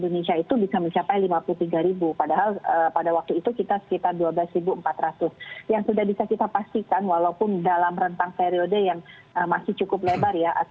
ini akan menjadi suatu alarm untuk kita semua untuk bersiap siap